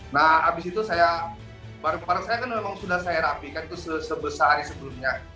nah abis itu saya barang barang saya kan memang sudah saya rapikan itu sebesar sebelumnya